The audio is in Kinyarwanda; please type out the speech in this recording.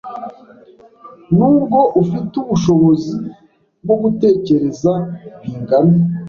Nubwo ufite ubushobozi bwo gutekereza Bingana